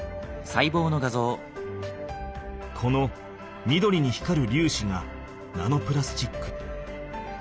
この緑に光るりゅうしがナノプラスチック。